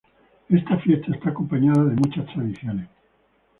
Esta fiesta está acompañada de muchas tradiciones.